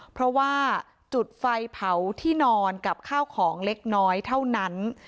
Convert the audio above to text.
เพราะว่าจุดไฟเผาที่นอนกับข้าวของเล็กน้อยเท่านั้น